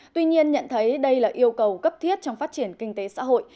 tuy nhiên nhận thấy đây là yêu cầu cấp thiết trong phát triển kinh tế xã hội